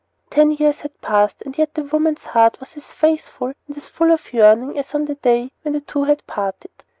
Ten years had passed, and yet the woman's heart was as faithful and as full of yearning as on the day when the two had parted.